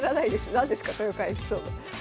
何ですか「豊川エピソード」。